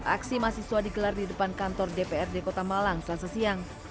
aksi mahasiswa digelar di depan kantor dprd kota malang selasa siang